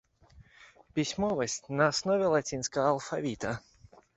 Пісьмовасць на аснове лацінскага алфавіта.